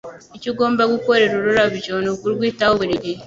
Icyo ugomba gukorera ururabyo ni ukurwitaho buri gihe.